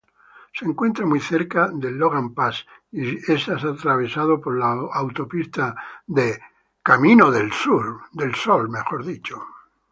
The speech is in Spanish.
Se encuentra muy cerca del Logan Pass y es atravesado por la autopista Going-to-the-Sun.